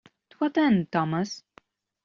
To what end, Thomas?